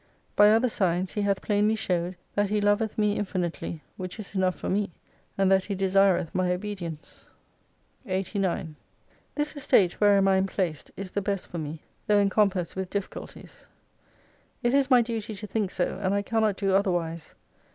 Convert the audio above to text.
By other signs, He hath plainly showed, that He loveth me infinitely, which is enough for me, and that He desireth my obedience. jo8 89 This estate wherein I am placed is the best for me : tho' encompassed with difficulties. It is my duty to think so, and I cannot do otherwise.